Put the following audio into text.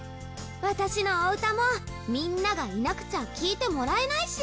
私のお歌もみんながいなくちゃ聴いてもらえないし。